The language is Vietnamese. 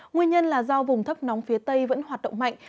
nguyên nhân là do vùng thấp nóng phía tây vẫn hoạt động mạnh